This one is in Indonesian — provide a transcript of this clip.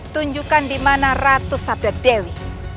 tunjukkan dimana ratu sabda dewi